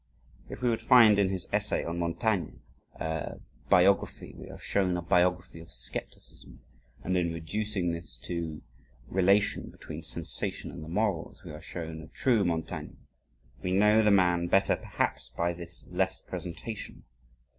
If we would find in his essay on Montaigne, a biography, we are shown a biography of scepticism and in reducing this to relation between "sensation and the morals" we are shown a true Montaigne we know the man better perhaps by this less presentation.